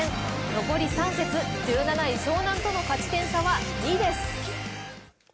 残り３節、１７位・湘南との勝ち点差は２です。